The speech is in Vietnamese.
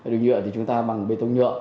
đường nhựa thì chúng ta bằng bê tông nhựa